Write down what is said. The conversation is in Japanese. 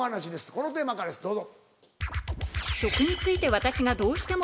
このテーマからですどうぞ。